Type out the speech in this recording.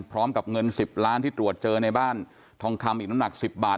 พร้อมกับเงิน๑๐ล้านที่ตรวจเจอในบ้านทองคำอีกน้ำหนัก๑๐บาท